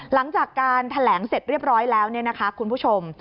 หลังจากการแถลงเสร็จเรียบร้อยแล้วเนี่ยนะคะคุณผู้ชม